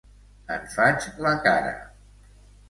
En faig la cara!